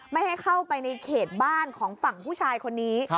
ไม่ให้เข้าไปในเขตบ้านของฝั่งผู้ชายคนนี้